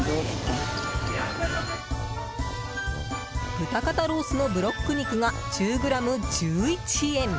豚肩ロースのブロック肉が１０ｇ１１円。